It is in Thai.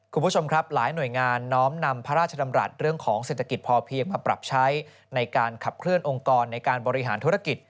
คุณผู้ชมครับหลายหน่วยงานน้อมนำพระราชดำรัฐเรื่องของเศรษฐกิจพอเพียงมาปรับใช้ในการขับเคลื่อนองค์กรในการบริหารธุรกิจ